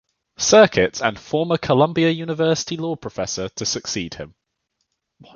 Circuit and a former Columbia University law professor, to succeed him.